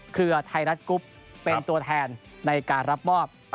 เครือไทยรัฐกรุ๊ปเป็นตัวแทนในการรับมอบ